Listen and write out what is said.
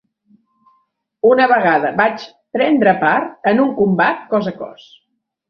Una vegada vaig prendre part en un combat cos a cos